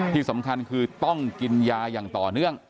ที่สำคัญคือต้องกินยาอย่างต่อเนื่อง